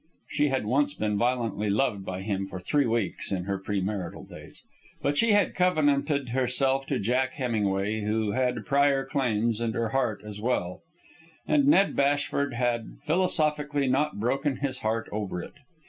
She had once been violently loved by him for three weeks in her pre marital days. But she had covenanted herself to Jack Hemingway, who had prior claims, and her heart as well; and Ned Bashford had philosophically not broken his heart over it.